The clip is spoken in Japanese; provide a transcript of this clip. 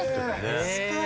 すごい。